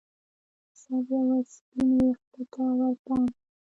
د سر یوه سپین ویښته ته ورپام شو